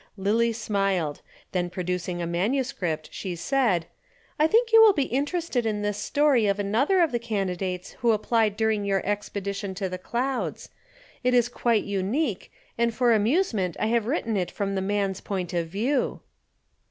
Lillie smiled. Then producing a manuscript, she said: "I think you will be interested in this story of another of the candidates who applied during your expedition to the clouds. It is quite unique, and for amusement I have written it from the man's point of view."